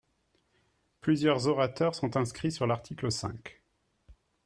Plusieurs orateurs sont inscrits sur l’article cinq.